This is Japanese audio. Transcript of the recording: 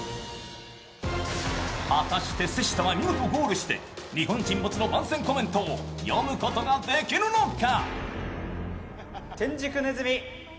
果たして瀬下は見事ゴールして、「日本沈没」の番宣コメントを読むことができるのか。